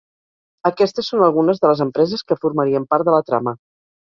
Aquestes són algunes de les empreses que formarien part de la trama.